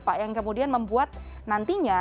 pak yang kemudian membuat nantinya